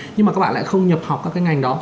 nhưng mà các bạn lại không nhập học các cái ngành đó